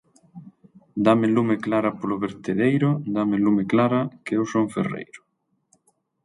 Dáme lume Clara polo vertedeiro, dáme lume Clara, que eu son o ferreiro.